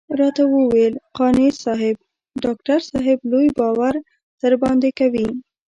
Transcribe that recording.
راته وويل قانع صاحب ډاکټر صاحب لوی باور درباندې کوي.